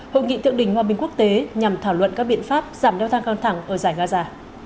hội nghị thượng đỉnh hòa bình quốc tế nhằm thảo luận các biện pháp giảm đeo thang căng thẳng ở giải gaza